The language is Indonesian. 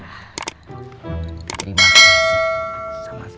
terima kasih sama sama